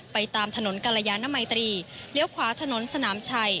ตามถนนกรยานมัยตรีเลี้ยวขวาถนนสนามชัย